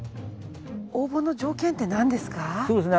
応募の条件ってなんですか？